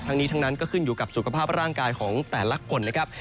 ทั้งนี้ทั้งนั้นก็ขึ้นอยู่กับสุขภาพร่างกายของแต่ละคนนะครับ